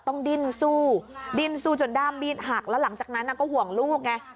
ดิ้นสู้ดิ้นสู้จนด้ามมีดหักแล้วหลังจากนั้นก็ห่วงลูกไง